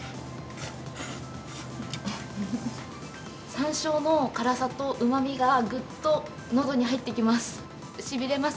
さんしょうの辛さとうまみがぐっとのどに入ってきます。